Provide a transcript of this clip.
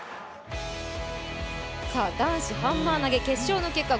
男子ハンマー投決勝の結果